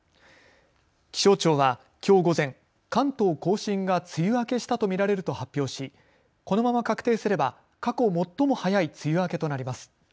気象庁はきょう午前、関東甲信が梅雨明けしたと見られると発表しこのまま確定すれば過去最も早い梅雨明けとなります。